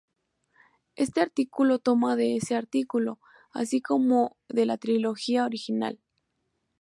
Este artículo toma de ese artículo, así como de la trilogía original.